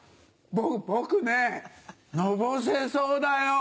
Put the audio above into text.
僕ねのぼせそうだよ。